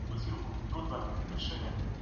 آنلاین زده کړه یوه ښه لاره ده.